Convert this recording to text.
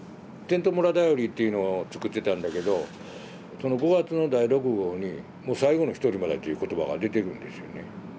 「てんと村だより」っていうのを作ってたんだけど５月の第６号にもう「最後の一人まで」という言葉が出てるんですよね。